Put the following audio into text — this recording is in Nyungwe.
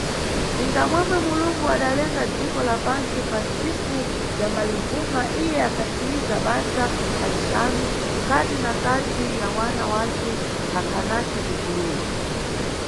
Ninga momwe Mulungu adalenga dziko la pantsi pa nntsiku ya Malinkhuma, iye akhasiyiza basa pa cixanu, kati na kati ya wana wace akhanati kugulula.